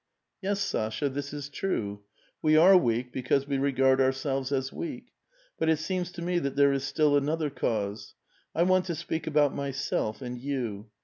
"Yes, Sasha, this is true. We are weak because we re gard ourselves as weak ; but it seems to me that there is still another cause. I want to speak about myself and you.